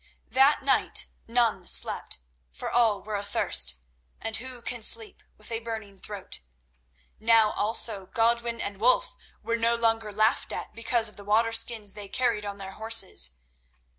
That night none slept, for all were athirst, and who can sleep with a burning throat? Now also Godwin and Wulf were no longer laughed at because of the water skins they carried on their horses.